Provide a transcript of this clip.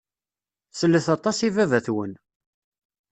Slet-as i baba-twen.